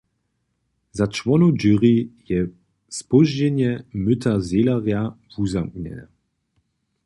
Za čłonow jury je spožčenje Myta Zejlerja wuzamknjene.